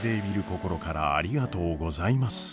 心からありがとうございます。